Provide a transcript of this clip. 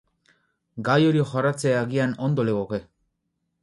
Gai hori jorratzea agian ondo legoke.